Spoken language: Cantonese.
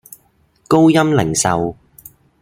高鑫零售